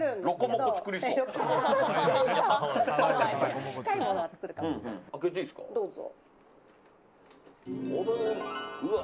どうぞ。